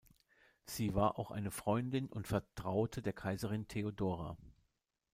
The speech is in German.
Sie war auch eine Freundin und Vertraute der Kaiserin Theodora.